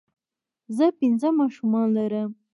زۀ پنځه ماشومان لرم